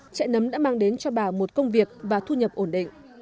chạy nấm đã mang đến cho bà một công việc và thu nhập ổn định